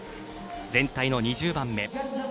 全体の２０番目。